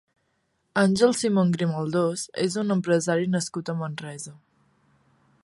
Àngel Simón Grimaldos és un empresari nascut a Manresa.